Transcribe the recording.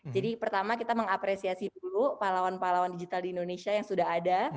jadi pertama kita mengapresiasi dulu pahlawan pahlawan digital di indonesia yang sudah ada